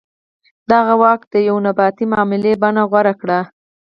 دغه واک د یوې نیابتي معاملې بڼه غوره کړې.